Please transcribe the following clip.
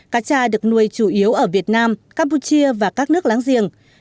cá tra được nuôi chủ yếu ở việt nam campuchia và các nước láng giềng